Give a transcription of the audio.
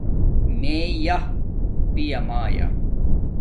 میے یآ پیامایا